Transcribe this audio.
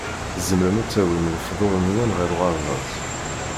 Tzemrem ad d-tawim lefḍur-nwen ɣer uɣerbaz.